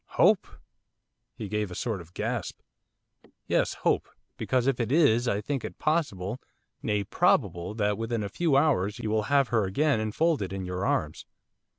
'Hope!' He gave a sort of gasp. 'Yes, hope, because if it is I think it possible, nay probable, that within a few hours you will have her again enfolded in your arms.